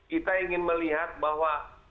kita ingin melihat bahwa